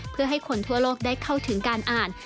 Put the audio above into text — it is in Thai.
เพื่อให้คนทั่วโลกได้เข้าถึงการอ่าน